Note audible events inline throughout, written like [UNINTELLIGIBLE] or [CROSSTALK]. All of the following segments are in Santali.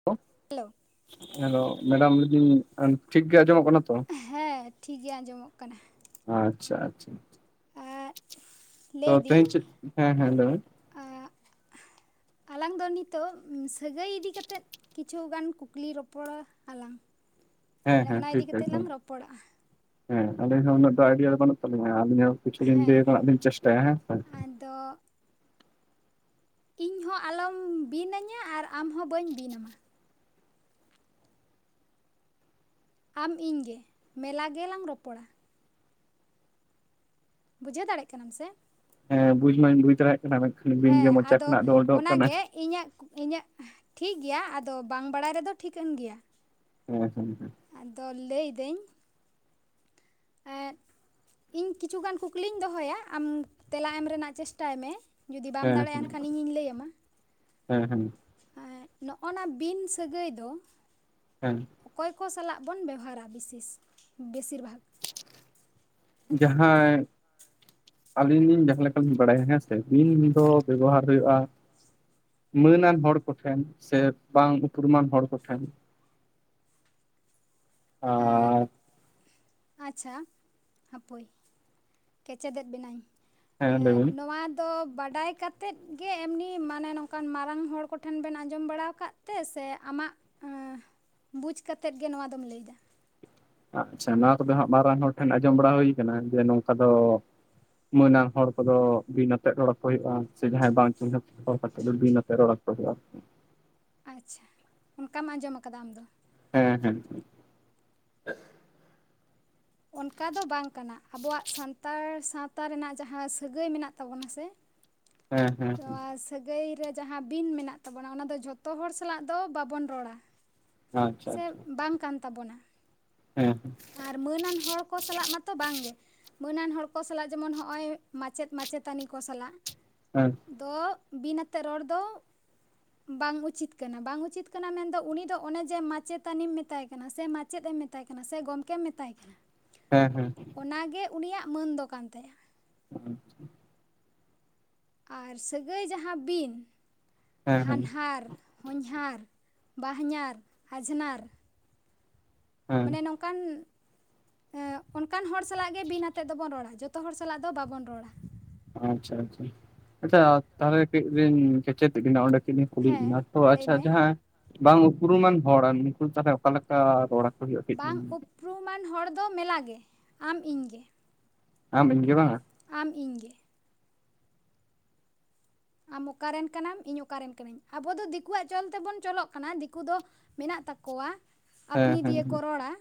[UNINTELLIGIBLE] ᱦᱮᱞᱳ ᱦᱮᱞᱳ ᱢᱮᱰᱟᱢ ᱮ ᱴᱷᱤᱠ ᱜᱮ ᱟᱸᱡᱚᱢᱚᱜ ᱠᱟᱱᱟ ᱛᱚ ᱦᱮᱸ ᱴᱷᱤᱠ ᱜᱮ ᱟᱸᱡᱚᱢᱚᱜ ᱠᱟᱱᱟ ᱟᱪᱪᱷᱟ ᱟᱪᱪᱷᱟ ᱟᱨ ᱛᱚ ᱛᱮᱦᱮᱧ ᱪᱮᱫ ᱦᱮᱸ ᱦᱮᱸ ᱞᱟᱹᱭ ᱢᱮ ᱟ ᱟᱞᱟᱝ ᱫᱚ ᱱᱤᱛᱚᱜ ᱥᱟᱹᱜᱟᱹᱭ ᱤᱫᱤ ᱠᱟᱛᱮᱫ ᱠᱤᱪᱷᱩᱜᱟᱱ ᱠᱩᱠᱞᱤ ᱨᱚᱯᱚᱲ ᱟᱞᱟᱝ ᱦᱮᱸ ᱢᱟᱱᱮ ᱦᱮᱸ ᱚᱱᱟ ᱤᱫᱤ ᱴᱷᱤᱠ ᱠᱟᱛᱮ ᱞᱟᱝ ᱮᱠᱫᱚᱢ ᱨᱚᱯᱚᱲᱚᱜ-ᱟ ᱦᱮᱸ ᱟᱹᱞᱤᱧ ᱦᱚᱸ ᱩᱱᱟᱹᱜ ᱫᱚ ᱟᱭᱰᱤᱭᱟ ᱫᱚ ᱵᱟᱹᱱᱩᱜ ᱛᱟᱹᱞᱤᱧᱟ ᱟᱹᱞᱤᱧ ᱦᱚᱸ ᱠᱤᱪᱷᱩ ᱞᱤᱧ ᱞᱟᱹᱭ ᱨᱮᱱᱟᱜ ᱞᱤᱧ ᱪᱮᱥᱴᱟᱭᱟ ᱦᱮᱸ ᱥᱮ ᱛᱚ ᱤᱧ ᱦᱚᱸ ᱟᱞᱚᱢ ᱵᱤᱱ ᱟᱹᱧᱟ ᱟᱨ ᱟᱢ ᱦᱚᱸ ᱵᱟᱹᱧ ᱵᱤᱱ ᱟᱢᱟ ᱟᱢ ᱤᱧ ᱜᱮ ᱢᱮᱞᱟ ᱜᱮᱞᱟᱝ ᱨᱚᱯᱚᱲᱟ ᱵᱩᱡᱷᱟᱹᱣ ᱫᱟᱲᱮᱜ ᱠᱟᱱᱟᱢ ᱥᱮ ᱦᱮᱸ ᱵᱩᱡᱽ ᱢᱟᱧ ᱵᱩᱡᱽ ᱫᱟᱲᱮᱭᱟᱜ ᱠᱟᱱᱟ ᱢᱮᱱᱠᱷᱟᱱ ᱵᱤᱱ ᱜᱮ ᱢᱚᱪᱟ ᱠᱷᱚᱱᱟᱜ ᱫᱚ ᱳᱰᱳᱝᱚᱜ ᱠᱟᱱᱟ ᱤᱧᱟᱜ ᱠᱩ ᱤᱧᱟᱹᱜ ᱴᱷᱤᱠ ᱜᱮᱭᱟ ᱟᱫᱚ ᱵᱟᱝ ᱵᱟᱲᱟᱭ ᱨᱮ ᱫᱚ ᱴᱷᱤᱠᱟᱹᱱ ᱜᱮᱭᱟ ᱦᱮᱸ ᱦᱮᱸ ᱦᱮᱸ ᱟᱫᱚ ᱞᱟᱹᱭ ᱫᱟᱹᱧ ᱮᱫ ᱤᱧ ᱠᱤᱪᱷᱩᱜᱟᱱ ᱠᱩᱠᱞᱤᱧ ᱫᱚᱦᱚᱭᱟ ᱟᱢ ᱛᱮᱞᱟ ᱮᱢ ᱨᱮᱱᱟᱜ ᱪᱮᱥᱴᱟᱭ ᱢᱮ ᱡᱩᱫᱤ ᱵᱟᱢ ᱫᱟᱲᱮᱭᱟᱜ-ᱟ ᱦᱮᱸ ᱮᱱ ᱠᱷᱟᱱ ᱤᱧᱤᱧ ᱞᱟᱹᱭ ᱟᱢᱟ ᱾ ᱦᱮᱸ ᱦᱮᱸ, ᱦᱮᱸ ᱱᱚᱜ-ᱚᱱᱟ ᱵᱤᱱ ᱥᱟᱹᱜᱟᱹᱭ ᱫᱚ, ᱦᱮᱸ ᱚᱠᱚᱭ ᱠᱚ ᱥᱟᱞᱟᱜ ᱵᱚᱱ ᱵᱮᱣᱦᱟᱨᱟ ᱵᱤᱥᱮᱥ ᱵᱮᱥᱤᱨ ᱵᱷᱟᱜᱽ᱾ ᱡᱟᱦᱟᱸᱭ ᱟᱹᱞᱤᱧ ᱞᱤᱧ ᱡᱟᱦᱟᱸ ᱞᱮᱠᱟ ᱞᱤᱧ ᱵᱟᱲᱟᱭᱟ ᱦᱮᱸᱥᱮ ᱵᱤᱱ ᱫᱚ ᱵᱮᱵᱚᱦᱟᱨ ᱦᱩᱭᱩᱜ-ᱟ, ᱢᱟᱹᱱᱟᱱ ᱦᱚᱲ ᱠᱚ ᱴᱷᱮᱱ ᱥᱮ ᱵᱟᱝ ᱩᱯᱨᱩᱢᱟᱱ ᱦᱚᱲ ᱠᱚ ᱴᱷᱮᱱ ᱟᱨᱻ ᱟᱪᱪᱷᱟ ᱦᱟᱯᱳᱭ ᱠᱮᱪᱮᱫᱮᱫ ᱵᱮᱱᱟᱹᱧ, ᱦᱮᱸ ᱞᱟᱹᱭ ᱮᱸ ᱵᱤᱱ ᱱᱚᱣᱟ ᱛᱚ ᱵᱟᱰᱟᱭ ᱠᱟᱛᱮᱫ ᱜᱮ ᱮᱢᱱᱤ ᱢᱟᱱᱮ ᱱᱚᱝᱠᱟᱱ ᱢᱟᱨᱟᱝ ᱦᱚᱲ ᱠᱚᱴᱷᱮᱱ ᱵᱮᱱ ᱟᱸᱡᱚᱢ ᱵᱟᱲᱟ ᱟᱠᱟᱫ ᱛᱮ ᱥᱮ ᱟᱢᱟᱜ ᱵᱩᱡᱽ ᱠᱟᱛᱮᱫ ᱜᱮ ᱱᱚᱣᱟ ᱫᱚᱢ ᱞᱟᱹᱭ ᱮᱫᱟ? ᱟᱪᱪᱷᱟ ᱱᱚᱣᱟ ᱠᱚ ᱫᱚ ᱦᱟᱸᱜ ᱢᱟᱨᱟᱝ ᱦᱚᱲ ᱴᱷᱮᱱ ᱟᱸᱡᱚᱢ ᱵᱟᱲᱟ ᱦᱩᱭ ᱟᱠᱟᱱᱟ ᱡᱮ ᱱᱚᱝᱠᱟ ᱫᱚ ᱢᱟᱹᱱᱟᱱ ᱦᱚᱲ ᱠᱚᱫᱚ ᱵᱤᱱ ᱟᱛᱮᱫ ᱨᱚᱲ ᱟᱠᱚ ᱦᱩᱭᱩᱜ-ᱟ ᱥᱮ ᱡᱟᱦᱟᱸᱭ ᱵᱟᱝ ᱪᱤᱱᱦᱟᱹᱯ ᱦᱚᱲ ᱠᱟᱛᱮᱫ ᱫᱚ ᱵᱤᱱ ᱟᱛᱮ ᱨᱚᱲ ᱟᱠᱚ ᱦᱩᱭᱩᱜ-ᱟ ᱾ ᱟᱪᱪᱷᱟ ᱚᱱᱠᱟᱢ ᱟᱸᱡᱚᱢ ᱟᱠᱟᱫᱟ ᱟᱢ ᱫᱚ ᱾ ᱦᱮᱸ ᱦᱮᱸ ᱾ ᱚᱱᱠᱟ ᱫᱚ ᱵᱟᱝ ᱠᱟᱱᱟ ᱟᱵᱚᱣᱟᱜ ᱥᱟᱱᱛᱟᱲ ᱥᱟᱶᱛᱟ ᱨᱮᱱᱟᱜ ᱡᱟᱦᱟᱸ ᱥᱟᱹᱜᱟᱹᱭ ᱢᱮᱱᱟᱜ ᱛᱟᱵᱚᱱᱟ ᱥᱮ ᱦᱮᱸ ᱦᱮᱸ ᱦᱮᱸ [UNINTELLIGIBLE] ᱥᱟᱹᱜᱟᱹᱭ ᱨᱮ ᱡᱟᱦᱟᱸ ᱵᱤᱱ ᱢᱮᱱᱟᱜ ᱛᱟᱵᱚᱱᱟ ᱚᱱᱟ ᱫᱚ ᱡᱷᱚᱛᱚ ᱦᱚᱲ ᱥᱟᱞᱟᱜ ᱫᱚ ᱵᱟᱵᱚᱱ ᱨᱚᱲᱟ, ᱟᱪᱪᱷᱟ ᱥᱮ ᱟᱪᱪᱷᱟ ᱵᱟᱝ ᱠᱟᱱ ᱛᱟᱵᱚᱱᱟ᱾ ᱦᱮᱸ ᱦᱮᱸ᱾ ᱟᱨ ᱢᱟᱹᱱᱟᱱ ᱦᱚᱲ ᱠᱚ ᱥᱟᱞᱟᱜ ᱢᱟ ᱛᱚ ᱵᱟᱝᱜᱮ ᱾ ᱢᱟᱹᱱᱟᱱ ᱦᱚᱲ ᱠᱚ ᱥᱟᱞᱟᱜ ᱡᱮᱢᱚᱱ ᱱᱚᱜᱼᱚᱭ ᱢᱟᱪᱮᱫ ᱢᱟᱪᱮᱛᱟᱹᱱᱤ ᱠᱚ ᱥᱟᱞᱟᱜ [UNINTELLIGIBLE] ᱛᱚ ᱵᱤᱱ ᱟᱛᱮᱜ ᱨᱚᱲ ᱫᱚ ᱵᱟᱝ ᱩᱪᱤᱛ ᱠᱟᱱᱟ ᱵᱟᱝ ᱩᱪᱤᱛ ᱠᱟᱱᱟ ᱢᱮᱱ ᱫᱚ ᱩᱱᱤ ᱫᱚ ᱚᱱᱮ ᱡᱮ ᱢᱟᱪᱮᱛᱟᱱᱤᱢ ᱢᱮᱛᱟᱭ ᱠᱟᱱᱟ ᱥᱮ ᱢᱟ ᱪᱮᱫ ᱮᱢ ᱢᱮᱛᱟᱭ ᱠᱟᱱᱟ ᱥᱮ ᱜᱚᱢᱠᱮᱢ ᱢᱮᱛᱟᱭ ᱠᱟᱱᱟ, ᱦᱮᱸ ᱦᱮᱸ, ᱚᱱᱟ ᱜᱮ ᱩᱱᱤᱭᱟᱜ ᱢᱟᱹᱱ ᱫᱚ ᱠᱟᱱ ᱛᱟᱭᱟ ᱾ [INAUDIBLE] ᱟᱨ ᱥᱟᱹᱜᱟᱹᱭ ᱡᱟᱸᱦᱟ ᱵᱤᱱ ᱦᱮᱸ ᱦᱮᱸ ᱦᱟᱱᱦᱟᱨ, ᱦᱚᱧᱦᱟᱨ, ᱵᱟᱦᱚᱧᱟᱨ, ᱟᱡᱷᱱᱟᱨ, ᱦᱮᱸ ᱢᱟᱱᱮ ᱱᱚᱝᱠᱟᱱ ᱮᱸ ᱚᱱᱠᱟᱱ ᱦᱚᱲ ᱥᱟᱞᱟᱜ ᱜᱮ ᱵᱤᱱ ᱟᱛᱮᱜ ᱫᱚ ᱵᱚᱱ ᱨᱚᱲ-ᱟ ᱡᱚᱛᱚ ᱦᱚᱲ ᱥᱟᱞᱟᱜ ᱫᱚ ᱵᱟᱵᱚᱱ ᱨᱚᱲ-ᱟ ᱾ ᱟᱪᱪᱷᱟ ᱟᱪᱪᱷᱟ ᱟᱪᱪᱷᱟ ᱛᱟᱦᱞᱮ ᱠᱟᱹᱡ ᱞᱤᱧ ᱠᱮᱪᱮᱫ ᱵᱤᱱᱟ ᱚᱸᱰᱮ [UNINTELLIGIBLE] ᱠᱩᱞᱤᱜ ᱵᱤᱱᱟ ᱦᱮᱸ ᱛᱚ ᱞᱟᱹᱭ ᱟᱪᱪᱷᱟ ᱢᱮ ᱡᱟᱸᱦᱟ ᱵᱟᱝ ᱩᱯᱨᱩᱢᱟᱱ ᱦᱚᱲ ᱩᱱᱠᱩ ᱛᱟᱦᱞᱮ ᱚᱠᱟᱞᱮᱠᱟ ᱨᱚᱲᱟ ᱵᱟᱝ ᱩᱯᱨᱩᱢᱟᱱ ᱦᱚᱲ ᱫᱚ ᱢᱮᱞᱟ ᱜᱮ ᱟᱢ ᱤᱧ ᱜᱮ ᱾ ᱟᱢ ᱤᱧ ᱜᱮ ᱵᱟᱝ, ᱟᱢ ᱤᱧ ᱜᱮ, ᱟᱢ ᱚᱠᱟᱨᱮᱱ ᱠᱟᱱᱟᱢ ᱤᱧ ᱚᱠᱟᱨᱮᱱ ᱠᱟᱹᱱᱟᱹᱧ ᱟᱵᱚ ᱫᱚ ᱫᱤᱠᱩᱣᱟᱜ ᱪᱚᱞ ᱛᱮᱵᱚᱱ ᱪᱚᱞᱚᱜ ᱠᱟᱱᱟ ᱫᱤᱠᱩ ᱫᱚ ᱢᱮᱱᱟᱜ ᱛᱟᱠᱚᱣᱟ ᱦᱮᱸ ᱟᱯᱱᱤ ᱦᱮᱸ ᱫᱤᱭᱮ ᱠᱚ ᱦᱮᱸ ᱨᱚᱲᱟ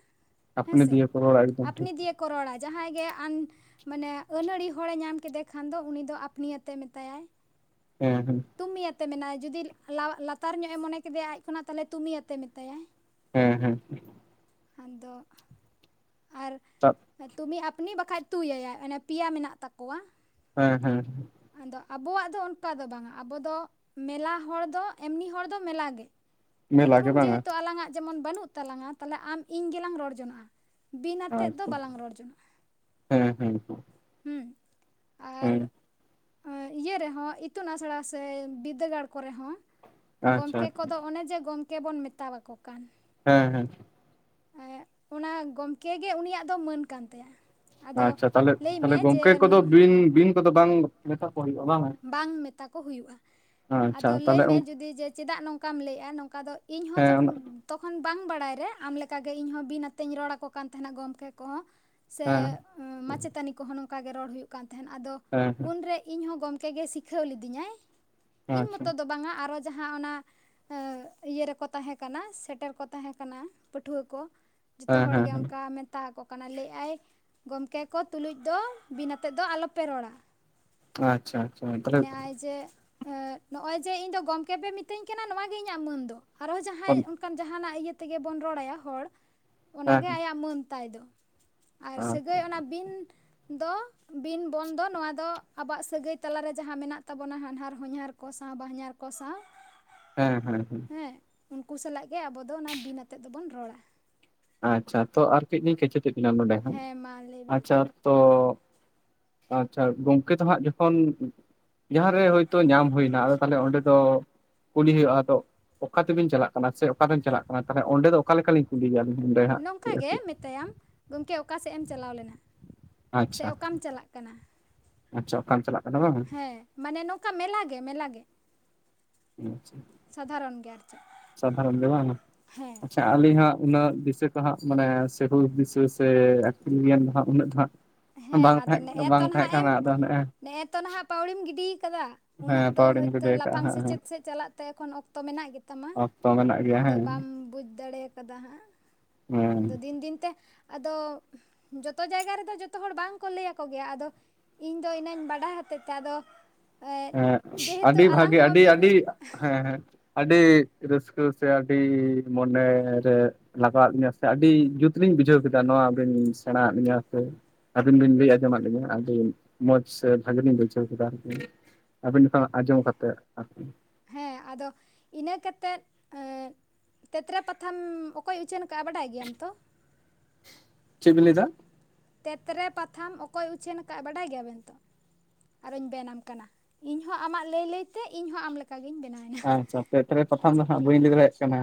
ᱦᱮᱸ ᱟᱯᱱᱤ ᱥᱮ ᱫᱤᱭᱮ ᱠᱚ ᱨᱚᱲᱟ ᱮᱠᱫᱚᱢ ᱴᱷᱤᱠ ᱟᱯᱱᱤ ᱫᱤᱭᱮ ᱠᱚ ᱨᱚᱲᱟ ᱡᱟᱦᱟᱸᱭ ᱜᱮ ᱟᱱ ᱢᱟᱱᱮ ᱟᱹᱱᱟᱹᱲᱤ ᱦᱚᱲᱮ ᱧᱟᱢ ᱠᱮᱫᱮ ᱠᱷᱟᱱ ᱫᱚ ᱩᱱᱤ ᱫᱚ ᱟᱯᱱᱤᱭᱟᱛᱮ ᱢᱮᱛᱟᱭᱟᱭ ᱾ ᱦᱮᱸ [UNINTELLIGIBLE] ᱛᱩᱢᱤ ᱟᱛᱮ ᱢᱮᱱᱟᱭ ᱡᱩᱫᱤ ᱞᱟᱣ ᱞᱟᱛᱟᱨ ᱧᱚᱜ ᱮ ᱢᱚᱱᱮ ᱠᱮᱫᱮᱭᱟ ᱟᱡ ᱠᱷᱚᱱᱟᱜ ᱛᱟᱦᱞᱮ ᱛᱩᱢᱤᱭᱟᱛᱮ ᱢᱮᱛᱟᱭᱟᱭ ᱾ ᱦᱮᱸ ᱦᱮᱸ ᱾ ᱟᱫᱚ ᱟᱨ ᱛᱟ ᱛᱩᱢᱤ ᱟᱯᱱᱤ ᱵᱟᱠᱷᱟ ᱛᱩᱭ ᱟᱭᱟᱭ ᱚᱱᱮ ᱯᱮᱭᱟ ᱢᱮᱱᱟᱜ ᱛᱟᱠᱚᱣᱟ᱾ ᱦᱮᱸ, ᱦᱮᱸ, ᱟᱫᱚ ᱟᱵᱚᱣᱟᱜ ᱫᱚ ᱚᱱᱠᱟ ᱫᱚ ᱵᱟᱝᱟ᱾ ᱟᱵᱚ ᱫᱚ ᱢᱮᱞᱟ ᱦᱚᱲ ᱫᱚ, ᱮᱢᱱᱤ ᱦᱚᱲ ᱫᱚ, ᱢᱮᱞᱟ ᱜᱮ, ᱢᱮᱞᱟ ᱜᱮ ᱩᱯᱨᱩᱢ ᱵᱟᱝᱟ ᱡᱮᱦᱮᱛᱩ ᱟᱞᱟᱝ-ᱟᱜ ᱡᱮᱢᱚᱱ ᱵᱟᱱᱩᱜ ᱛᱟᱞᱟᱝᱟ, ᱛᱟᱦᱞᱮ ᱟᱢ ᱤᱧ ᱜᱮᱞᱟᱝ ᱨᱚᱲ ᱡᱚᱱᱚᱜᱼᱟ᱾ ᱵᱤᱱ ᱟᱛᱮᱜ ᱫᱚ ᱟᱪᱪᱷᱟ ᱵᱟᱞᱟᱝ ᱨᱚᱲ ᱡᱚᱝᱚᱜᱼᱟ, ᱦᱮᱸ ᱦᱮᱸ ᱩᱸ, ᱟᱨ ᱦᱮᱸ ᱟᱨ ᱤᱭᱟᱹ ᱨᱮ ᱦᱚᱸ, ᱤᱛᱩᱱ ᱟᱥᱲᱟ ᱥᱮ, ᱵᱤᱨᱫᱟᱹᱜᱟᱲ ᱠᱚᱨᱮ ᱦᱚᱸ ᱟᱪᱪᱷᱟ ᱜᱚᱢᱠᱮ ᱠᱚᱫᱚ ᱚᱱᱮ ᱡᱮ, ᱜᱚᱢᱠᱮ ᱵᱚᱱ ᱢᱮᱛᱟᱞᱟᱠᱚ ᱠᱟᱱ ᱦᱮᱸ, ᱦᱮᱸ, ᱮᱸ, ᱚᱱᱟ ᱜᱚᱢᱠᱮ ᱜᱮ, ᱩᱱᱤᱭᱟᱜ ᱫᱚ ᱢᱟᱹᱱ ᱠᱟᱱ ᱛᱟᱭᱟ᱾ ᱟᱫᱚ ᱟᱪᱪᱷᱟ, ᱞᱟᱹᱭ ᱢᱮ ᱛᱟᱦᱞᱮ-ᱛᱟᱦᱞᱮ, ᱡᱮ ᱜᱚᱝᱠᱮ ᱠᱚᱫᱚ ᱵᱤᱱ-ᱵᱤᱱ ᱠᱚᱫᱚ ᱵᱟᱝ ᱢᱮᱥᱟ ᱠᱚ ᱦᱳᱭᱳᱜᱼᱟ ᱵᱟᱝ? ᱵᱟᱝ ᱢᱮᱛᱟ ᱠᱚ ᱦᱩᱭᱩᱜᱼᱟ, ᱟᱫᱚ ᱛᱟᱦᱚᱞᱮ ᱞᱟᱹᱭᱢᱮ ᱡᱩᱫᱤ ᱡᱮ, ᱪᱮᱫᱟᱜ ᱱᱚᱝᱠᱟᱢ ᱞᱟᱹᱭᱼᱟ ᱱᱚᱝᱠᱟ ᱫᱚ? ᱤᱧ ᱦᱮᱸ ᱦᱚᱸ ᱦᱮᱸ ᱡᱚᱠᱷᱚᱱ ᱛᱚᱠᱷᱚᱱ ᱵᱟᱝ ᱵᱟᱲᱟᱭ ᱨᱮ, ᱟᱢ ᱞᱮᱠᱟᱜᱮ ᱤᱧᱦᱚᱸ ᱵᱤᱱ ᱟᱛᱮᱧ ᱨᱚᱲ ᱟᱠᱚ ᱠᱟᱱ ᱛᱟᱦᱮᱸᱱᱟ ᱜᱚᱢᱠᱮ ᱠᱚᱦᱚᱸ᱾ ᱥᱮ ᱦᱮᱸ ᱢᱟᱪᱮᱛᱟᱹᱱᱤ ᱠᱚᱦᱚᱸ, ᱱᱚᱝᱠᱟ ᱜᱮ ᱨᱚᱲ ᱦᱩᱭᱩᱜ ᱠᱟᱱ ᱛᱟᱦᱮᱸᱱ, ᱟᱫᱚ ᱩᱱᱨᱮ ᱤᱧ ᱦᱚᱸ ᱜᱚᱢ ᱛᱮ ᱜᱮ ᱥᱤᱠᱷᱟᱹᱣ ᱞᱤᱫᱤᱧᱟᱭ, ᱤᱧ ᱟᱪᱪᱷᱟ ᱢᱚᱛᱚ ᱫᱚ ᱵᱟᱝᱟ ᱟᱨᱚ ᱡᱟᱸᱦᱟ ᱚᱱᱟ ᱟᱸ, ᱤᱭᱟᱹ ᱨᱮᱠᱚ ᱛᱟᱦᱮᱸ ᱠᱟᱱᱟ, ᱥᱮᱴᱮᱨ ᱠᱚ ᱛᱟᱦᱮᱸ ᱠᱟᱱᱟ ᱯᱟᱹᱴᱷᱩᱣᱟᱹ ᱠᱚ᱾ ᱡᱚᱛᱚ ᱦᱮᱸ ᱦᱚᱲ ᱦᱮᱸ ᱜᱮ ᱦᱮᱸ ᱚᱱᱠᱟ ᱢᱮᱱ ᱢᱮᱛᱟ ᱟᱠᱚ ᱠᱟᱱᱟ, ᱞᱟᱹᱭ ᱟᱭ ᱜᱚᱢᱠᱮ ᱠᱚ ᱛᱩᱞᱩᱡ ᱫᱚ ᱵᱤᱱ ᱟᱛᱮᱜ ᱫᱚ ᱟᱞᱚᱯᱮ ᱨᱚᱲᱟ᱾ ᱟᱪᱪᱷᱟ, ᱟᱪᱪᱷᱟ ᱛᱟᱦᱚᱞᱮ ᱦᱮᱸ ᱢᱮᱱᱮ ᱟᱭ ᱡᱮ ᱱᱚᱜᱼᱚᱭ ᱡᱮ, ᱤᱧ ᱫᱚ ᱜᱚᱝᱠᱮ ᱯᱮ ᱢᱤᱛᱟᱹᱧ ᱠᱟᱱᱟ ᱱᱚᱣᱟ ᱜᱮ ᱤᱧᱟᱹᱜ ᱢᱟᱹᱱ ᱫᱚ᱾ ᱟᱨᱚ ᱡᱟᱦᱟᱸᱭ ᱦᱮᱸ ᱚᱱᱠᱟᱱ ᱡᱟᱦᱟᱸᱱᱟᱜ, ᱤᱭᱟᱹ ᱛᱮᱜᱮ ᱵᱚᱱ ᱨᱚᱲ ᱟᱭᱟ ᱦᱚᱲ᱾ ᱚᱱᱟᱜᱮ ᱦᱮᱸ ᱦᱮᱸ ᱟᱭᱟᱜ ᱢᱟᱹᱱ ᱛᱟᱭ ᱫᱚ, ᱟᱨ ᱥᱟᱹᱜᱟᱹᱭ ᱚᱱᱟ ᱵᱤᱱ ᱫᱚ, ᱵᱤᱱ, ᱵᱚᱱ, ᱫᱚ ᱱᱚᱣᱟ ᱫᱚ ᱟᱵᱚᱣᱟᱜ ᱥᱟᱹᱜᱟᱹᱭ ᱛᱟᱞᱟᱨᱮ ᱡᱟᱦᱟᱸ ᱢᱮᱱᱟᱜ ᱛᱟᱵᱚᱱᱟ, ᱦᱟᱱᱦᱟᱨ, ᱦᱚᱧᱦᱟᱨ, ᱠᱚ ᱥᱟᱶ ᱵᱟᱦᱧᱟᱨ ᱠᱚ ᱥᱟᱶ ᱦᱮᱸ, ᱦᱮᱸ, ᱦᱮᱸ, ᱦᱮᱸ, ᱩᱱᱠᱩ ᱥᱟᱞᱟᱜ ᱜᱮ ᱟᱵᱚ ᱫᱚ, ᱚᱱᱟ ᱵᱤᱱ ᱟᱛᱮᱫ ᱫᱚᱵᱚᱱ ᱨᱚᱲᱟ᱾ ᱟᱪᱪᱷᱟ, ᱛᱚ ᱟᱨ ᱠᱟᱹᱡ ᱞᱤᱧ ᱠᱮᱪᱮᱛᱮ ᱵᱤᱱᱟ ᱱᱚᱸᱰᱮ ᱦᱟᱸᱜ, ᱦᱮᱸ ᱢᱟ ᱞᱟᱹᱭ ᱵᱮᱱ ᱟᱪᱪᱷᱟ ᱛᱚ? ᱟᱪᱪᱷᱟ, ᱜᱚᱝᱠᱮ ᱛᱚ ᱦᱟᱸᱜ ᱡᱚᱠᱷᱚᱱ ᱡᱟᱦᱟᱸᱨᱮ ᱦᱳᱭᱛᱳ ᱧᱟᱢ ᱦᱩᱭᱱᱟ, ᱟᱫᱚ ᱛᱟᱦᱚᱞᱮ ᱚᱸᱰᱮ ᱫᱚ ᱠᱩᱞᱤ ᱦᱩᱭᱩᱜᱼᱟ, ᱛᱚ ᱚᱠᱟ ᱛᱮᱵᱤᱱ ᱪᱟᱞᱟᱜ ᱠᱟᱱᱟ ᱥᱮ, ᱚᱠᱟ ᱨᱮᱢ ᱪᱟᱞᱟᱜ ᱠᱟᱱᱟ ᱛᱟᱦᱚᱞᱮ, ᱚᱸᱰᱮ ᱫᱚ ᱚᱠᱟ ᱞᱮᱠᱟ ᱞᱤᱧ ᱠᱩᱞᱤᱭᱟ, ᱞᱤᱧ? ᱱᱚᱝᱠᱟ ᱜᱮ ᱢᱮᱛᱟ ᱭᱟᱢ, ᱜᱚᱢᱠᱮ ᱚᱠᱟ ᱥᱮᱜ ᱮᱢ ᱪᱟᱞᱟᱣ ᱞᱮᱱᱟ? ᱥᱮ ᱟᱪᱪᱷᱟ, ᱚᱠᱟᱢ ᱟᱪᱪᱷᱟ, ᱪᱟᱞᱟᱜ ᱠᱟᱱᱟ ᱟᱪᱪᱷᱟ, ᱚᱠᱟᱢ ᱪᱟᱞᱟᱜ ᱠᱟᱱᱟ ᱵᱟᱝ? ᱦᱮᱸ, ᱢᱟᱱᱮ ᱱᱚᱝᱠᱟ ᱢᱮᱞᱟ ᱜᱮ, ᱢᱮᱞᱟ ᱜᱮ ᱟᱪᱪᱷᱟ, ᱥᱟᱫᱷᱟᱨᱚᱱ ᱜᱮ, ᱟᱨ ᱪᱮᱫ ᱥᱟᱫᱷᱟᱨᱚᱱ ᱜᱮ ᱵᱟᱝ, ᱦᱮᱸ ᱟᱪᱪᱷᱟ? ᱟᱹᱞᱤᱧ ᱦᱟᱸᱜ ᱩᱱᱟᱹᱜ ᱫᱤᱥᱟᱹ ᱠᱚ ᱦᱟᱸᱜ, ᱢᱟᱱᱮ ᱥᱮ ᱦᱩᱥ ᱫᱤᱥᱟᱹ ᱥᱮ, ᱟᱹᱠᱤᱞ ᱜᱮᱭᱟᱱ ᱫᱚ ᱦᱟᱸᱜ, ᱩᱱᱟᱹᱜ ᱫᱚ ᱦᱟᱸᱜ ᱦᱮᱸ ᱵᱟᱝ ᱟᱫᱚ ᱛᱟᱦᱮᱸ, ᱱᱮᱜᱼᱮ ᱵᱟᱝ ᱛᱚ ᱛᱟᱦᱮᱸ, ᱱᱟᱦᱟᱜ ᱮᱢ ᱠᱟᱱᱟ ᱟᱫᱚ ᱱᱮᱜ-ᱮ ᱱᱮᱜᱼᱮ ᱛᱚ ᱱᱟᱦᱟᱜ ᱯᱟᱹᱣᱲᱤᱢ ᱜᱤᱰᱤ ᱠᱟᱫᱟ, ᱩᱱᱟᱹᱜ ᱦᱮᱸ ᱫᱚ ᱯᱟᱣᱲᱤᱧ ᱦᱚᱭᱛᱳ ᱜᱤᱰᱤ ᱞᱟᱯᱷᱟᱝ ᱟᱠᱟᱜᱼᱟ ᱥᱮᱪᱮᱫ ᱦᱟᱸᱜ ᱥᱮᱫ ᱪᱟᱞᱟᱜ ᱛᱮ ᱮᱠᱷᱚᱱ ᱚᱠᱛᱚ ᱢᱮᱱᱟᱜ ᱜᱮᱛᱟᱢᱟ, ᱚᱠᱛᱚ ᱢᱮᱱᱟᱜ ᱜᱮᱭᱟ ᱟᱫᱚ ᱦᱮᱸ ᱵᱟᱢ ᱵᱩᱡᱽ ᱫᱟᱲᱮ ᱠᱟᱫᱟ ᱦᱟᱸᱜ᱾ ᱦᱮᱸ ᱟᱫᱚ ᱫᱤᱱ ᱫᱤᱱᱛᱮ, ᱟᱫᱚᱻ ᱡᱚᱛᱚ ᱡᱟᱭᱜᱟ ᱨᱮᱫᱚ ᱡᱚᱛᱚ ᱦᱚᱲ ᱵᱟᱝᱠᱚ ᱞᱟᱹᱭ ᱟᱠᱚ ᱜᱮᱭᱟ ᱟᱫᱚ ᱤᱧᱫᱚ ᱤᱱᱟᱹᱧ ᱵᱟᱰᱟᱭ ᱦᱚᱛᱮᱫ ᱛᱮ ᱟᱫᱚ ᱮᱸᱜ ᱦᱮᱸ, ᱡᱮᱦᱮᱛᱩ ᱟᱹᱰᱤ ᱵᱷᱟᱜᱮ, ᱟᱞᱟᱝ ᱦᱚᱸ ᱵᱤᱱ ᱟᱹᱰᱤ-ᱟᱹᱰᱤ ᱦᱮᱸ, ᱦᱮᱸ, ᱟᱹᱰᱤ ᱨᱟᱹᱥᱠᱟᱹ ᱥᱮ, ᱟᱹᱰᱤ ᱢᱚᱱᱮᱨᱮ ᱞᱟᱜᱟᱣᱟᱫ ᱞᱤᱧᱟᱹ ᱥᱮ, ᱟᱹᱰᱤ ᱡᱩᱛᱞᱤᱧ ᱵᱩᱡᱷᱟᱹᱣ ᱠᱮᱫᱟ ᱱᱚᱣᱟ ᱵᱤᱱ ᱥᱮᱬᱟᱣᱟ ᱞᱤᱧᱟᱹ ᱥᱮ ᱟᱹᱵᱤᱱ ᱵᱤᱱ ᱞᱟᱹᱭ ᱟᱸᱡᱚᱢᱫ ᱞᱤᱧᱟᱹ, ᱟᱹᱰᱤ ᱢᱚᱸᱡᱽ ᱥᱮ, ᱵᱷᱟᱜᱮ ᱞᱤᱧ ᱵᱩᱡᱷᱟᱹᱣ ᱠᱮᱫᱟ ᱟᱨᱠᱤ᱾ ᱟᱹᱵᱤᱱ ᱠᱷᱚᱱ ᱟᱸᱡᱚᱢ ᱠᱟᱛᱮ ᱟᱨᱠᱤ᱾ ᱦᱮᱸ, ᱟᱫᱚ ᱤᱱᱟᱹ ᱠᱟᱛᱮᱫ ᱮᱸᱫ ᱛᱮᱛᱨᱮ ᱯᱟᱛᱷᱟᱢ ᱚᱠ ᱚᱠᱚᱭ ᱩᱪᱷᱟᱹᱱ ᱠᱟᱜᱼᱟ, ᱵᱟᱰᱟᱭ ᱜᱮᱭᱟᱢ ᱛᱚ? ᱪᱮᱫ ᱵᱤᱱ ᱞᱟᱹᱭ ᱫᱟ? ᱛᱮᱛᱨᱮ ᱯᱟᱛᱷᱟᱢ ᱚᱠᱚᱭ ᱩᱪᱷᱟᱹᱱ ᱟᱠᱟᱫ ᱟ ᱵᱟᱰᱟᱭ ᱜᱮᱭᱟᱵᱮᱱ ᱛᱚ? ᱟᱨᱚᱧ ᱵᱮᱱᱟᱢ ᱠᱟᱱᱟ ᱤᱧᱦᱚᱸ ᱟᱢᱟᱜ ᱞᱟᱹᱭ ᱞᱟᱹᱭᱛᱮ ᱤᱧᱦᱚᱸ ᱟᱢ ᱞᱮᱠᱟ ᱜᱤᱧ ᱵᱮᱱᱟ ᱟᱪᱪᱷᱟ ᱛᱮᱛᱨᱮ ᱯᱟᱛᱷᱟᱢ ᱫᱚ ᱦᱟᱸᱜ ᱵᱟᱹᱧ ᱞᱟᱹᱭ ᱫᱟᱲᱮᱭᱟᱜ ᱠᱟᱱᱟ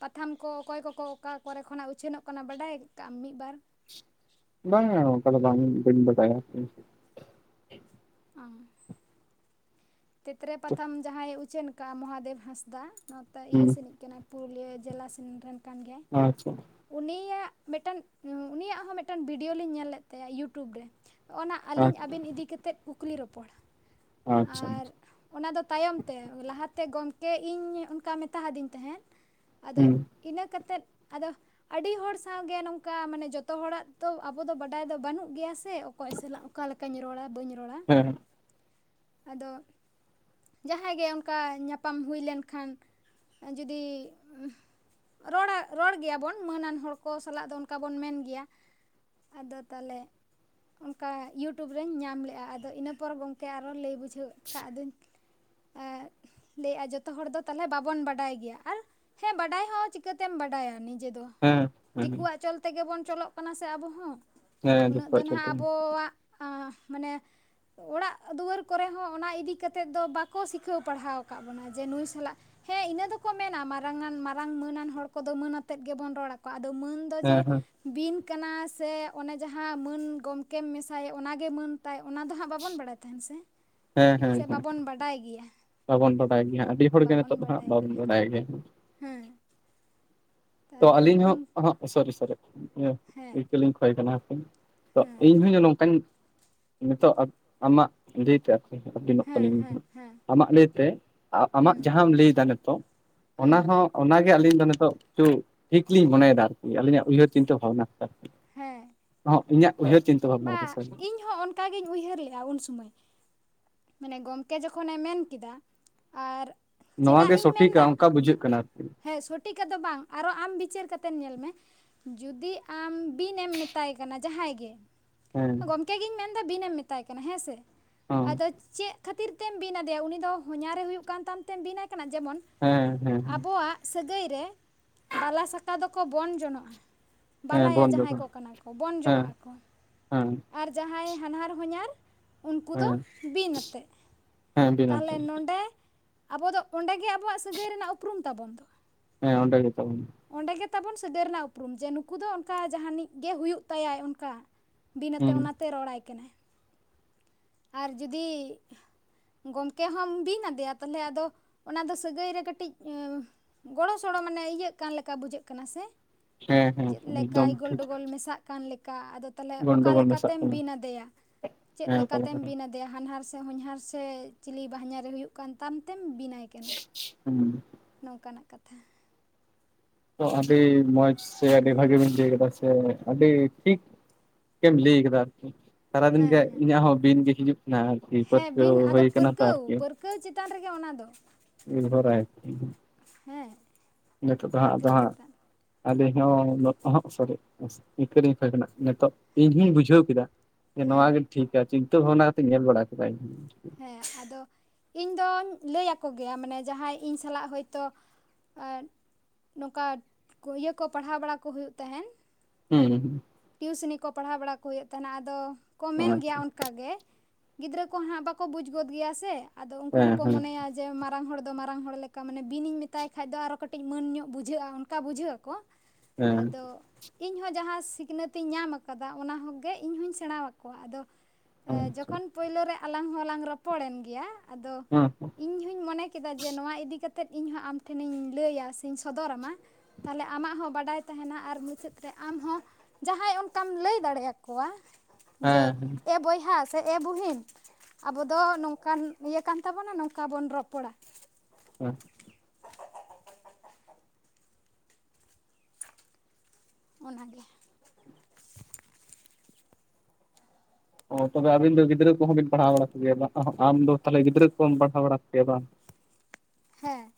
ᱯᱟᱛᱷᱟᱢ ᱠᱚ ᱚᱠᱚᱭ ᱠᱚᱠᱚ ᱚᱠᱟ ᱠᱚᱨᱮ ᱠᱷᱚᱱᱟᱜ ᱩᱪᱷᱟᱹᱱᱚᱜ ᱠᱟᱱᱟ ᱵᱟᱰᱟᱭ ᱠᱟᱜ ᱟᱢ ᱢᱤᱫ ᱵᱟᱨ ᱵᱟᱝᱟ ᱚᱱᱠᱟ ᱫᱚ ᱵᱟᱝᱤᱧ ᱵᱟᱹᱧ ᱵᱟᱰᱟᱭᱟ ᱚᱸ ᱛᱮᱛᱨᱮ ᱯᱟᱛᱷᱟᱢ ᱡᱟᱦᱟᱸᱭᱮ ᱩᱪᱷᱟᱹᱱ ᱠᱟᱜᱼᱟ ᱢᱚᱦᱟᱫᱮᱵ ᱦᱟᱸᱥᱫᱟ ᱱᱚᱛᱮ ᱤᱭᱟᱹ ᱦᱩᱸ ᱥᱮᱱᱤᱡ ᱠᱟᱱᱟᱭ ᱯᱩᱨᱩᱞᱤᱭᱟᱹ ᱡᱮᱞᱟ ᱥᱮᱱ ᱨᱮᱱ ᱠᱟᱱ ᱜᱮᱭᱟ ᱟᱪᱪᱷᱟ ᱩᱱᱤᱭᱟᱜ ᱢᱮᱫᱴᱟᱱ ᱩᱱᱤᱭᱟᱜ ᱦᱚᱸ ᱢᱮᱫᱴᱟᱱ ᱵᱷᱤᱰᱭᱳ ᱞᱤᱧ ᱧᱮᱞ ᱞᱮᱫ ᱛᱟᱭᱟ ᱤᱭᱩᱴᱩᱵᱽ ᱨᱮ ᱚᱱᱟ ᱟᱹᱞᱤᱧ ᱟᱪᱪᱷᱟ ᱟᱵᱮᱱ ᱤᱫᱤ ᱠᱟᱛᱮᱫ ᱠᱩᱠᱞᱤ ᱨᱚᱯᱚᱲ ᱟᱪᱪᱷᱟ ᱟᱪᱪᱷᱟ ᱟᱨ ᱚᱱᱟ ᱫᱚ ᱛᱟᱭᱚᱢ ᱛᱮ ᱞᱟᱦᱟᱛᱮ ᱜᱚᱢᱠᱮ ᱤᱧ ᱚᱱᱠᱟ ᱢᱮᱛᱟ ᱦᱟᱫᱤᱧ ᱛᱟᱦᱮᱸᱫ ᱟᱫᱚ ᱦᱩᱸ ᱤᱱᱟᱹ ᱠᱟᱛᱮᱫ ᱟᱫᱚ ᱟᱹᱰᱤ ᱦᱚᱲ ᱥᱟᱶᱜᱮ ᱱᱚᱝᱠᱟ ᱢᱟᱱᱮ ᱡᱚᱛᱚ ᱦᱚᱲᱟᱜ ᱛᱚ ᱟᱵᱚ ᱫᱚ ᱵᱟᱰᱟᱭ ᱫᱚ ᱵᱟᱹᱱᱩᱜ ᱜᱮᱭᱟ ᱥᱮ ᱚᱠᱚᱭ ᱥᱟᱞᱟᱜ ᱚᱠᱟ ᱞᱮᱠᱟᱧ ᱨᱚᱲᱟ ᱵᱟᱹᱧ ᱨᱚᱲᱟ ᱦᱮᱸ ᱟᱫᱚ ᱡᱟᱦᱟᱸᱭ ᱜᱮ ᱚᱱᱠᱟ ᱧᱟᱯᱟᱢ ᱦᱩᱭ ᱞᱮᱱᱠᱷᱟᱱ ᱡᱩᱫᱤ ᱩᱸᱜ ᱨᱚᱲᱟᱭ ᱨᱚᱲ ᱜᱮᱭᱟᱵᱚᱱ ᱢᱟᱹᱱ ᱟᱱ ᱦᱚᱲ ᱠᱚ ᱥᱟᱞᱟᱜ ᱫᱚ ᱚᱱᱠᱟ ᱵᱚᱱ ᱢᱮᱱ ᱜᱮᱭᱟ ᱟᱫᱚ ᱛᱟᱞᱮ ᱚᱱᱠᱟ ᱤᱭᱩᱴᱩᱵᱽ ᱨᱤᱧ ᱧᱟᱢ ᱞᱮᱜᱼᱟ ᱟᱫᱚ ᱤᱱᱟᱹ ᱯᱚᱨ ᱜᱚᱢᱠᱮ ᱟᱨᱚ ᱞᱟᱹᱭ ᱵᱩᱡᱷᱟᱹᱣ ᱠᱟᱫ ᱫᱳᱧ ᱮᱸᱜ ᱞᱮᱜᱟᱭ ᱡᱚᱛᱚ ᱦᱚᱲ ᱫᱚ ᱛᱟᱦᱞᱮ ᱵᱟᱵᱚᱱ ᱵᱟᱰᱟᱭ ᱜᱮᱭᱟ ᱟᱨ ᱦᱮᱸ ᱵᱟᱰᱟᱭ ᱦᱚᱸ ᱪᱤᱠᱟᱹᱛᱮᱢ ᱵᱟᱰᱟᱭᱟ ᱱᱤᱡᱮ ᱫᱚ ᱦᱮᱸ ᱦᱮᱸ ᱦᱮᱸ ᱫᱤᱠᱩᱣᱟᱜ ᱪᱚᱞ ᱛᱮᱜᱮ ᱵᱚᱱ ᱪᱚᱞᱚᱜ ᱠᱟᱱᱟ ᱥᱮ ᱟᱵᱚ ᱦᱚᱸ ᱦᱮᱸ ᱩᱱᱟᱹᱜ ᱫᱚ ᱱᱟᱦᱟᱸᱜ ᱟᱵᱚᱣᱟᱜ ᱟᱸᱜ ᱢᱟᱱᱮ ᱚᱲᱟᱜ ᱫᱩᱣᱟᱹᱨ ᱠᱚᱨᱮ ᱦᱚᱸ ᱚᱱᱟ ᱤᱫᱤ ᱠᱟᱛᱮᱫ ᱫᱚ ᱵᱟᱠᱚ ᱥᱤᱠᱷᱟᱹᱣ ᱯᱟᱲᱦᱟᱣ ᱟᱠᱟᱫ ᱵᱚᱱᱟ ᱡᱮ ᱱᱩᱭ ᱥᱟᱞᱟᱜ ᱦᱮᱸ ᱤᱱᱟᱹ ᱫᱚᱠᱚ ᱢᱮᱱᱟ ᱢᱟᱨᱟᱝᱟᱱ ᱢᱟᱨᱟᱝ ᱢᱟᱹᱱᱟᱱ ᱦᱚᱲ ᱠᱚᱫᱚ ᱢᱟᱹᱱ ᱟᱛᱮᱫ ᱜᱮᱵᱚᱱ ᱨᱚᱲ ᱟᱠᱚᱣᱟ ᱟᱫᱚ ᱢᱟᱹᱱ ᱫᱚ ᱡᱮ ᱦᱮᱸ ᱦᱮᱸ ᱵᱤᱱ ᱠᱟᱱᱟ ᱥᱮ ᱚᱱᱮ ᱡᱟᱸᱦᱟᱸ ᱢᱟᱹᱱ ᱜᱚᱢᱠᱮᱢ ᱢᱮᱥᱟᱭᱮᱜ ᱚᱱᱟᱜᱮ ᱢᱟᱹᱱ ᱛᱟᱭ ᱚᱱᱟ ᱫᱚ ᱦᱟᱸᱜ ᱵᱟᱵᱚᱱ ᱵᱟᱲᱟᱭ ᱛᱟᱦᱮᱱ ᱥᱮ ᱥᱮ ᱦᱮᱸ ᱦᱮᱸ ᱵᱟᱵᱚᱱ ᱵᱟᱰᱟᱭ ᱜᱮᱭᱟ ᱵᱟᱵᱚᱱ ᱵᱟᱰᱟᱭ ᱜᱮᱭᱟ ᱟᱰᱤ ᱦᱚᱲᱜᱮ ᱱᱤᱛᱚᱜ ᱫᱚ ᱦᱟᱸᱜ ᱵᱟᱵᱚᱱ ᱵᱟᱰᱟᱭ ᱜᱮᱭᱟ ᱦᱩᱸ ᱛᱚ ᱟᱞᱤᱧ ᱦᱚᱸ ᱚᱸᱦᱚᱸᱜ ᱥᱚᱨᱤ ᱥᱚᱨᱤ ᱦᱮᱸ ᱤᱠᱟᱹᱞᱤᱧ ᱠᱷᱚᱭ ᱠᱟᱱᱟ ᱛᱚ ᱦᱮᱸ ᱤᱧᱦᱚᱧ ᱱᱚᱝᱠᱟᱧ ᱱᱤᱛᱚᱜ ᱟᱵ ᱟᱢᱟᱜ ᱞᱟᱹᱭᱛᱮ ᱦᱵᱤᱱᱚᱜ ᱦᱮᱸ ᱟᱹᱞᱤᱧᱜ ᱦᱮᱸ ᱦᱮᱸ [INAUDIBLE] ᱟᱢᱟᱜ ᱞᱟᱹᱭᱛᱮ ᱟᱸᱻᱟᱢᱟᱜ ᱦᱩᱸ ᱡᱟᱸᱦᱟᱸᱢ ᱞᱟᱹᱭᱫᱟ ᱱᱤᱛᱚᱜ ᱚᱱᱟ ᱦᱩᱸ ᱦᱚᱸ ᱚᱱᱟᱜᱮ ᱟᱹᱞᱤᱧ ᱫᱚ ᱱᱤᱛᱚᱜ ᱛᱩ ᱴᱷᱤᱠ ᱞᱤᱧ ᱢᱚᱱᱮᱭᱫᱟ ᱟᱨᱠᱤ ᱟᱞᱤᱧᱟᱜ ᱩᱭᱦᱟᱹᱨ ᱪᱤᱱᱛᱟᱹ ᱵᱷᱟᱵᱱᱟ ᱛᱮ ᱫᱚ ᱦᱮᱸ ᱤᱧᱟᱜ ᱩᱭᱦᱟᱹᱨ ᱪᱤᱱ ᱵᱟ ᱤᱧᱦᱚᱸ ᱚᱱᱠᱟ ᱜᱤᱧ ᱩᱭᱦᱟᱹᱨ ᱞᱮᱜᱼᱟ ᱩᱱ ᱥᱩᱢᱚᱭ ᱢᱟᱱᱮ ᱜᱚᱢᱠᱮ ᱡᱚᱠᱷᱚᱱᱮ ᱢᱮᱱ ᱠᱮᱫᱟ ᱟᱨ ᱱᱚᱣᱟ ᱪᱮᱫᱟᱜ ᱜᱮ ᱤᱧ ᱥᱚᱴᱷᱤᱠᱟ ᱢᱮᱱᱫᱟ ᱚᱱᱠᱟ ᱵᱩᱡᱷᱟᱹᱜ ᱠᱟᱱᱟ ᱟᱨᱠᱤ ᱦᱮᱸ ᱥᱚᱴᱷᱤᱠ ᱟᱫᱚ ᱵᱟᱝ ᱟᱨᱚ ᱟᱢ ᱵᱤᱪᱟᱹᱨ ᱠᱟᱛᱮ ᱧᱮᱞ ᱢᱮ ᱡᱩᱫᱤ ᱟᱢ ᱵᱤᱱ ᱮᱢ ᱢᱮᱛᱟᱭ ᱠᱟᱱᱟ ᱡᱟᱸᱦᱟᱸᱭ ᱜᱮ ᱦᱮᱸ ᱜᱚᱢᱠᱮ ᱜᱤᱧ ᱢᱮᱱᱫᱟ ᱵᱤᱱᱮᱢ ᱢᱮᱛᱟᱭ ᱠᱟᱱᱟ ᱦᱮᱸ ᱥᱮ ᱦᱚᱸ ᱟᱫᱚ ᱪᱮᱫ ᱠᱷᱟᱹᱛᱤᱨ ᱛᱮᱢ ᱵᱤᱱ ᱟᱫᱮᱭᱟ ᱩᱱᱤ ᱫᱚ ᱦᱚᱧᱦᱟᱨᱮ ᱦᱩᱭᱩᱜ ᱠᱟᱱ ᱛᱟᱢ ᱛᱮᱢ ᱵᱤᱱᱟᱭ ᱠᱟᱱᱟ ᱡᱮᱢᱚᱱ ᱦᱮᱸ ᱦᱮᱸ ᱟᱵᱚᱣᱟᱜ ᱥᱟᱹᱜᱟᱹᱭ ᱨᱮ ᱵᱟᱞᱟᱥᱟᱠᱟ ᱫᱚᱠᱚ ᱵᱚᱱ ᱡᱚᱱᱚᱜᱼᱟ ᱦᱮᱸ ᱵᱟᱞᱟᱭᱟ ᱵᱚᱱ ᱡᱟᱸᱦᱟᱸᱭ ᱡᱚᱜᱟᱲ ᱠᱚ ᱠᱟᱱᱟ ᱠᱚ ᱵᱚᱱ ᱡᱚᱱᱚᱜ ᱦᱮᱸ ᱟᱠᱚ ᱦᱮᱸ ᱟᱨ ᱡᱟᱸᱦᱟᱸᱭ ᱦᱟᱱᱦᱟᱨ ᱦᱚᱧᱦᱟᱨ ᱩᱱᱠᱩ ᱫᱚ ᱦᱮᱸ ᱵᱤᱱ ᱟᱛᱮᱜ ᱦᱮᱸ ᱵᱤᱱᱟᱹ ᱛᱟᱦᱞᱮ ᱱᱚᱰᱮ ᱟᱵᱚ ᱫᱚ ᱚᱸᱰᱮ ᱜᱮ ᱟᱵᱚᱣᱟᱜ ᱥᱟᱹᱜᱟᱹᱭ ᱨᱮᱱᱟᱜ ᱩᱯᱨᱩᱢ ᱛᱟᱵᱚᱱ ᱫᱚ᱾ ᱦᱮᱸ ᱚᱸᱰᱮ ᱜᱮᱛᱟᱵᱩᱱ᱾ ᱚᱸᱰᱮ ᱜᱮᱛᱟᱵᱩᱱ ᱥᱟᱹᱜᱟᱹᱭ ᱨᱮᱱᱟᱜ ᱩᱯᱨᱩᱢ ᱡᱮ ᱱᱩᱠᱩ ᱫᱚ ᱚᱱᱠᱟ ᱡᱟᱦᱟᱱᱤᱡ ᱜᱮ ᱦᱩᱭᱩᱜ ᱛᱟᱭᱟᱭ ᱚᱱᱠᱟ, ᱵᱤᱱ ᱟᱛᱮ ᱦᱮᱸ ᱚᱱᱟᱛᱮ ᱨᱚᱲᱟᱭ ᱠᱟᱱᱟᱭ, ᱟᱨ ᱡᱩᱫᱤ ᱜᱚᱢᱠᱮ ᱦᱚᱢ ᱵᱤᱱ ᱟᱫᱮᱭᱟ ᱛᱟᱦᱞᱮ ᱟᱫᱚ ᱚᱱᱟ ᱫᱚ ᱥᱟᱹᱜᱟᱹᱭ ᱨᱮ ᱠᱟᱹᱴᱤᱡ ᱜᱚᱲᱚ ᱥᱚᱲᱚ ᱢᱟᱱᱮ ᱤᱭᱟᱹᱜ ᱠᱟᱱ ᱞᱮᱠᱟ ᱵᱩᱡᱷᱟᱹᱜ ᱠᱟᱱᱟ ᱥᱮ ᱦᱮᱸ ᱦᱮᱸ ᱪᱮᱫᱞᱮᱠᱟ ᱮᱠᱫᱚᱢ ᱴᱷᱤᱠ ᱜᱚᱱᱰᱚᱜᱚᱞ ᱢᱮᱥᱟᱜ ᱠᱟᱱ ᱞᱮᱠᱟ ᱟᱫᱚ ᱛᱟᱞᱦᱮ ᱚᱠᱟ ᱜᱚᱱᱰᱳᱜᱳᱞ ᱢᱮᱥᱟᱜ ᱞᱮᱠᱟᱛᱮᱢ ᱠᱟᱱᱟ ᱵᱤᱱ ᱟᱫᱮᱭᱟ ᱪᱮᱫ ᱦᱮᱸ ᱯᱟᱞᱮ ᱞᱮᱠᱟᱛᱮᱢ ᱯᱟᱞᱮ ᱵᱤᱱᱟ? ᱫᱮᱭᱟ ᱦᱟᱱᱦᱟᱨ ᱥᱮ ᱦᱚᱧᱦᱟᱨ ᱥᱮ ᱪᱤᱞᱤ ᱵᱟᱦᱧᱟᱨ ᱮ ᱦᱩᱭᱩᱜ ᱠᱟᱱ ᱛᱟᱢ ᱛᱮᱢ ᱵᱤᱱᱟᱭ ᱠᱟᱱᱟ? ᱦᱩᱸ ᱱᱚᱝᱠᱟᱱᱟᱜ ᱠᱟᱛᱷᱟ ᱛᱚ ᱟᱰᱤ ᱢᱚᱡᱽ ᱥᱮ ᱟᱰᱤ ᱵᱷᱟᱜᱤᱵᱤᱱ ᱞᱟᱹᱭ ᱠᱟᱫᱟ ᱥᱮ ᱟᱰᱤ ᱴᱷᱤᱠ ᱴᱷᱤᱠᱮᱢ ᱞᱟᱹᱭ ᱠᱟᱫᱟ ᱟᱨᱠᱤ ᱦᱮᱸ ᱥᱟᱨᱟᱫᱤᱱ ᱜᱮ ᱦᱮᱸ ᱤᱧᱟᱹᱜ ᱦᱚᱸ ᱵᱤᱱ ᱜᱮ ᱦᱤᱡᱩᱜ ᱠᱟᱱᱟ ᱟᱨ ᱵᱤᱯᱚᱛ ᱛᱚ ᱦᱳᱭ ᱠᱟᱱᱟ ᱯᱟᱨᱠᱮ [INAUDIBLE] ᱠᱟᱹᱪ ᱪᱮᱛᱟᱱ ᱨᱮᱜᱮ ᱚᱱᱟ ᱫᱚ [INAUDIBLE] ᱱᱤᱨᱵᱷᱚᱨᱟᱭ ᱦᱮᱸ ᱱᱤᱛᱚᱜ ᱫᱚ ᱦᱟᱸᱜ ᱟᱫᱚ ᱯᱟᱹᱨᱠᱟᱹᱣ ᱦᱟᱸᱜ ᱪᱮᱛᱟᱱ ᱟᱞᱤᱧ ᱦᱚᱸ ᱩᱱᱟᱹᱜ ᱫᱚ ᱦᱟᱸᱜ ᱥᱚᱨᱤ ᱤᱱᱠᱟᱹ ᱞᱤᱧ ᱠᱚᱭ ᱠᱟᱱᱟ ᱱᱤᱛᱚᱜ ᱤᱧ ᱦᱚᱧ ᱵᱩᱡᱷᱟᱹᱣ ᱠᱮᱫᱟ ᱡᱮ ᱱᱚᱣᱟ ᱦᱮᱸ ᱜᱮ ᱴᱷᱤᱠᱟ ᱪᱤᱱᱛᱟᱹ ᱵᱷᱟᱵᱽᱱᱟ ᱠᱟᱛᱮᱧ ᱧᱮᱞ ᱵᱟᱲᱟ ᱠᱮᱫᱟ ᱤᱧ ᱦᱚᱸ, ᱦᱮᱸ ᱟᱫᱚ ᱤᱧ ᱫᱚᱧ ᱞᱟᱹᱭ ᱟᱠᱚ ᱜᱮᱭᱟ ᱢᱟᱱᱮ ᱡᱟᱸᱦᱟᱸᱭ ᱤᱧ ᱥᱟᱞᱟᱜ ᱦᱚᱭᱛᱚ ᱮ ᱱᱚᱝᱠᱟ ᱤᱭᱟᱹ ᱠᱚ ᱯᱟᱲᱦᱟᱣ ᱵᱟᱲᱟ ᱠᱚ ᱦᱩᱭᱩᱜ ᱛᱟᱦᱮᱸᱱ, ᱦᱩᱸ ᱴᱤᱭᱩᱥᱤᱱᱤ ᱠᱚ ᱯᱟᱲᱦᱟᱣ ᱵᱟᱲᱟ ᱠᱚ ᱦᱩᱭᱩᱜ ᱛᱟᱦᱮᱱᱟ ᱟᱫᱚ ᱠᱚ ᱦᱮᱸ ᱢᱮᱱ ᱜᱮᱭᱟ ᱠᱟᱜᱮ ᱜᱤᱫᱽᱨᱟᱹ ᱠᱚ ᱦᱟᱸᱜ ᱵᱟᱠᱚ ᱵᱩᱡᱽ ᱜᱚᱫ ᱜᱮᱭᱟ ᱥᱮ ᱟᱫᱚ ᱩᱝᱠᱩ ᱦᱮᱸ ᱦᱚᱸᱠᱚ ᱦᱮᱸ ᱢᱚᱱᱮᱭᱟ ᱡᱮ ᱢᱟᱨᱟᱝ ᱦᱚᱲ ᱫᱚ ᱢᱟᱨᱟᱝ ᱦᱚᱲ ᱞᱮᱠᱟ ᱢᱟᱱᱮ ᱵᱤᱱᱤᱧ ᱢᱮᱛᱟᱭ ᱠᱷᱟᱱ ᱫᱚ ᱟᱨᱚ ᱠᱟᱹᱴᱤᱡ ᱢᱟᱹᱱ ᱧᱚᱜ ᱵᱩᱡᱷᱟᱹᱜᱼᱟ ᱚᱱᱠᱟ ᱵᱩᱡᱷᱟᱹᱜ ᱟᱠᱚ᱾ ᱦᱮᱸ ᱟᱫᱚ ᱤᱧᱦᱚᱸ ᱡᱟᱦᱟᱸ ᱥᱤᱠᱷᱱᱟᱹᱛ ᱤᱧ ᱧᱟᱢ ᱠᱟᱫᱟ ᱚᱱᱟ ᱦᱚᱸᱜᱮ ᱤᱧᱦᱚᱧ ᱥᱮᱬᱟ ᱟᱠᱚᱣᱟ ᱟᱫᱚ ᱦᱮᱸ ᱟᱪᱪᱷᱟ ᱡᱚᱠᱷᱚᱱ ᱯᱳᱭᱞᱳ ᱨᱮ ᱟᱞᱟᱝ ᱦᱚᱸᱞᱟᱝ ᱨᱚᱯᱚᱲᱮᱱ ᱜᱮᱭᱟ ᱟᱫᱚ ᱦᱮᱸ ᱦᱮᱸ ᱤᱧ ᱦᱚᱧ ᱢᱚᱱᱮ ᱠᱮᱫᱟ ᱡᱮ ᱱᱚᱣᱟ ᱤᱫᱤ ᱠᱟᱛᱮ ᱤᱧᱦᱚᱸ ᱟᱢ ᱴᱷᱮᱱᱤᱧ ᱞᱟᱹᱭᱟ ᱥᱮᱧ ᱥᱚᱫᱚᱨ ᱟᱢᱟ, ᱛᱟᱦᱚᱞᱮ ᱟᱢᱟᱜ ᱦᱚᱸ ᱵᱟᱰᱟᱭ ᱛᱟᱦᱮᱱᱟ ᱟᱨ ᱢᱩᱪᱟᱹᱫ ᱨᱮ ᱟᱢ ᱦᱚᱸ ᱡᱟᱦᱟᱸᱭ ᱚᱱᱠᱟᱢ ᱞᱟᱹᱭ ᱫᱟᱲᱮᱭᱟ ᱠᱚᱣᱟ ᱡᱮ ᱦᱮᱸ ᱦᱮᱸ ᱮ ᱵᱚᱭᱦᱟ ᱥᱮ ᱮ ᱵᱩᱦᱤᱱ ᱟᱵᱚ ᱫᱚ ᱱᱚᱝᱠᱟᱱ ᱤᱭᱟᱹ ᱠᱟᱱ ᱛᱟᱵᱚᱱᱟ ᱱᱚᱝᱠᱟ ᱵᱚᱱ ᱨᱚᱯᱚᱲᱟ, ᱦᱮᱸ ᱚᱱᱟᱜᱮ ᱚ ᱛᱚᱵᱮ ᱟᱵᱤᱱ ᱫᱚ ᱜᱤᱫᱽᱨᱟᱹ ᱠᱚᱦᱚᱸ ᱵᱤᱱ ᱯᱟᱲᱦᱟᱣ ᱵᱟᱲᱟ ᱠᱚᱫᱮᱭᱟ ᱵᱟᱝ ᱟᱢ ᱫᱚ ᱛᱟᱦᱚᱞᱮ ᱜᱤᱫᱽᱨᱟᱹ ᱠᱚᱢ ᱯᱟᱲᱦᱟᱣ ᱵᱟᱲᱟ ᱠᱚᱜᱮᱭᱟ ᱵᱟᱝ? ᱦᱮᱸ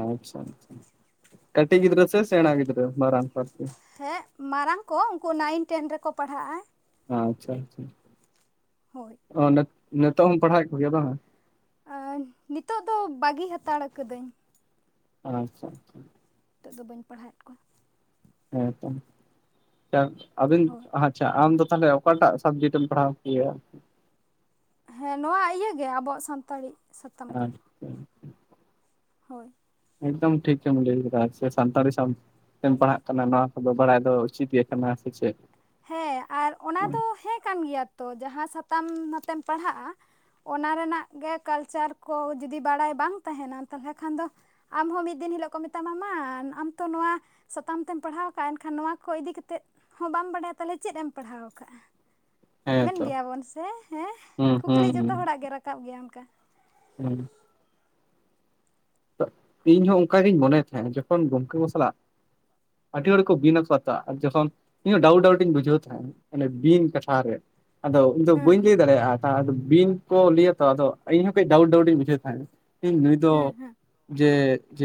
ᱟᱪᱪᱷᱟ ᱟᱪᱪᱷᱟ ᱠᱟ. ᱴᱤᱡ ᱜᱤᱫᱽᱨᱟ. ᱥᱮ ᱥᱮᱬᱟ ᱜᱤᱫᱽᱨᱟᱹ ᱢᱟᱨᱟᱝ ᱠᱚ ᱟᱨᱠᱤ? ᱦᱮᱸ ᱢᱟᱨᱟᱝ ᱠᱚ ᱩᱱᱠᱩ ᱱᱟᱭᱤᱱ ᱴᱮᱱ ᱨᱮᱠᱚ ᱯᱟᱲᱦᱟᱜᱼᱟ᱾ ᱟᱻ ᱟᱪᱪᱷᱟ ᱦᱳᱭ ᱚ ᱱᱤᱛᱚᱜ ᱦᱚᱸᱢ ᱯᱟᱲᱦᱟᱣᱮᱫ ᱠᱚᱜᱮᱭᱟ ᱵᱟᱝ? ᱟᱨ ᱱᱤᱛᱚᱜ ᱫᱚ ᱵᱟᱹᱜᱤ ᱦᱟᱛᱟᱲ ᱠᱟᱹᱫᱟᱹᱧ᱾ ᱟᱪᱪᱷᱟ ᱟᱪᱪᱷᱟ ᱱᱤᱛᱚᱜ ᱫᱚ ᱵᱟ. ᱧ ᱯᱟᱲᱦᱟᱣᱮᱫ ᱠᱚᱣᱟ᱾ ᱦᱮᱸ ᱛᱚ ᱟᱹᱵᱤᱱ ᱦᱳᱭ ᱟᱪᱪᱷᱟ ᱟᱢ ᱫᱚ ᱛᱟᱦᱚᱞᱮ ᱚᱠᱟᱴᱟᱜ ᱥᱟᱵᱡᱮᱠᱴ ᱮᱢ ᱯᱟᱲᱦᱟᱣ ᱠᱚ ᱜᱮᱭᱟ? ᱦᱮᱸ ᱱᱚᱣᱟ ᱤᱭᱟᱹ ᱜᱮ ᱟᱵᱚᱣᱟᱜ ᱥᱟᱱᱛᱟᱲᱤ᱾ ᱥᱟᱛᱟᱢ ᱜᱮ ᱟᱪᱪᱷᱟ ᱦᱳᱭ ᱮᱠᱫᱚᱢ ᱴᱷᱤᱠ ᱜᱮᱢ ᱞᱟᱹᱭ ᱟᱠᱟᱫᱟ ᱥᱟᱱᱛᱟᱲᱤ ᱥᱟᱵ ᱛᱮᱢ ᱯᱟᱲᱦᱟᱜ ᱠᱟᱱᱟ ᱱᱚᱣᱟ ᱠᱚᱫᱚ ᱵᱟᱲᱟᱭ ᱫᱚ ᱩᱪᱤᱛ ᱜᱮ ᱠᱟᱱᱟ ᱥᱮ ᱪᱮᱫ? ᱦᱮᱸ ᱟᱨ ᱚᱱᱟ ᱫᱚ ᱦᱮᱸ ᱠᱟᱱ ᱜᱮᱭᱟ ᱛᱚ ᱡᱟᱦᱟᱸ ᱥᱟᱛᱟᱢ ᱟᱛᱮᱢ ᱯᱟᱲᱦᱟᱜᱼᱟ ᱚᱱᱟ ᱨᱮᱱᱟᱜ ᱜᱮ ᱠᱟᱞᱪᱟᱨ ᱠᱚ ᱡᱩᱫᱤ ᱵᱟᱲᱟᱭ ᱵᱟᱝ ᱛᱟᱦᱮᱸᱱᱟ ᱛᱟᱦᱚᱞᱮ ᱠᱷᱟᱱ ᱫᱚ ᱟᱢᱦᱚᱸ ᱢᱤᱫ ᱫᱤᱱ ᱦᱤᱞᱳᱜ ᱠᱚ ᱢᱮᱛᱟᱢᱟ ᱢᱟ ᱟᱢ ᱛᱚ ᱱᱚᱣᱟ ᱥᱟᱛᱟᱢ ᱛᱮᱢ ᱯᱟᱲᱦᱟᱣ ᱠᱟᱜᱼᱟ ᱮᱱᱠᱷᱟᱱ ᱱᱚᱣᱟ ᱠᱚ ᱤᱫᱤ ᱠᱟᱛᱮᱫ ᱦᱚᱸ ᱵᱟᱢ ᱵᱟᱰᱟᱭᱟ ᱛᱟᱦᱚᱞᱮ ᱪᱮᱫ ᱮᱢ ᱯᱟᱲᱦᱟᱣ ᱠᱟᱜᱼᱟ᱾ ᱦᱮᱸ ᱢᱮᱱ ᱛᱚ ᱜᱮᱭᱟᱵᱚᱱ ᱥᱮ ᱦᱮᱸ ᱦᱩᱸ ᱠᱩᱠᱞᱤ ᱦᱩᱸ ᱡᱷᱚᱛᱚ ᱦᱩᱸ ᱦᱚᱲᱟᱜ ᱜᱮ ᱨᱟᱠᱟᱵ ᱜᱮᱭᱟ ᱚᱱᱠᱟ᱾ ᱦᱩᱸ᱾ ᱤᱧᱦᱚᱸ ᱚᱱᱠᱟ ᱜᱤᱧ ᱢᱚᱱᱮᱭ ᱛᱟᱦᱮᱸᱫ ᱡᱚᱠᱷᱚᱱ ᱜᱚᱢᱠᱮ ᱠᱚ ᱥᱟᱞᱟᱜ ᱟᱹᱰᱤ ᱦᱚᱲ ᱠᱚ ᱵᱤᱱ ᱟᱠᱚ ᱛᱟ ᱟᱨ ᱡᱚᱠᱷᱚᱱ ᱤᱧᱦᱚ ᱰᱟᱣᱩᱴ ᱰᱟᱣᱩᱴᱤᱧ ᱵᱩᱡᱷᱟᱹᱣ ᱛᱟᱦᱮᱸᱫ, ᱚᱱᱮ ᱵᱤᱱ ᱠᱟᱛᱷᱟ ᱨᱮ ᱟᱫᱚ ᱤᱧ ᱫᱚ ᱦᱮᱸ ᱵᱟᱹᱧ ᱞᱟᱹᱭ ᱦᱮᱸ ᱫᱟᱲᱮᱭᱟᱜᱼᱟ [UNINTELLIGIBLE] ᱵᱤᱱ ᱠᱚ ᱞᱟᱹᱭᱟ ᱛᱚ ᱟᱫᱚ ᱤᱧᱦᱚᱸ ᱠᱟᱹᱡ ᱰᱟᱣᱩᱴ ᱰᱟᱹᱣᱩᱰ ᱰᱟ. ᱣᱩᱰ ᱤᱧ ᱵᱩᱡᱷᱟᱹᱣ ᱛᱟᱦᱮᱸᱫ ᱱᱩᱭ ᱫᱚ ᱦᱮᱸ ᱦᱮᱸ ᱡᱮ [UNINTELLIGIBLE]